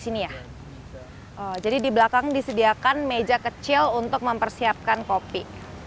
sini ya jadi di belakang disediakan meja kecil untuk mempersiapkan kopi